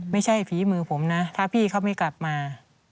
ไม่ใช่ผีมือผมนะถ้าพี่เขาไม่กลับมา